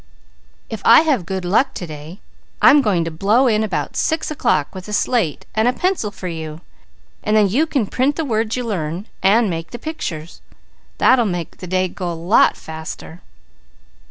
If I have good luck to day, I'm going to blow in about six o'clock with a slate and pencil for you; and then you can print the words you learn, and make pictures. That'll help make the day go a lot faster."